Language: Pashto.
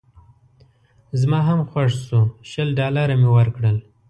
زما هم خوښ شو شل ډالره مې ورکړل.